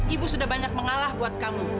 ibu sudah banyak mengalah buat kamu